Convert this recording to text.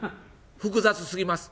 複雑すぎます。